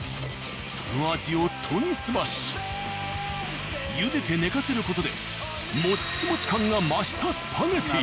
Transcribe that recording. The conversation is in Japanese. その味を研ぎ澄ましゆでて寝かせる事でモッチモチ感が増したスパゲティ。